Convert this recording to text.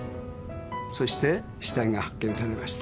そして死体が発見されました。